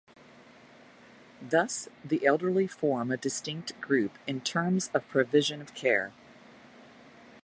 Thus, the elderly form a distinct group in terms of provision of care.